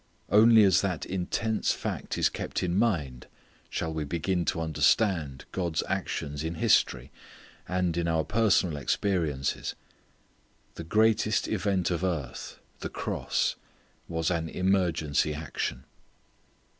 Only as that intense fact is kept in mind shall we begin to understand God's actions in history, and in our personal experiences. The greatest event of earth, the cross, was an emergency action.